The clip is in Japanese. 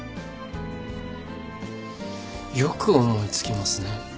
よく思い付きますね